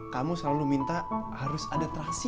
kamu selalu minta harus ada terasi